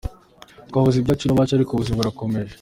Twabuze ibyacu n’abacu , ariko ubuzima burakomeje.